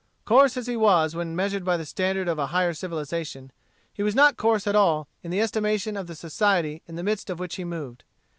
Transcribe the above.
Coarse as he was when measured by the standard of a higher civilization, he was not coarse at all in the estimation of the society in the midst of which he moved.